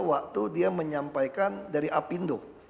waktu dia menyampaikan dari apindo